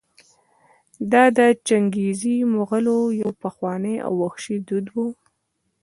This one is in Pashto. دا د چنګېزي مغولو یو پخوانی او وحشي دود و.